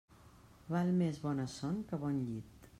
Val més bona son que bon llit.